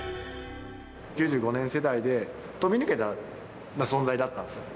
９５年世代で飛び抜けた存在だったんですよ。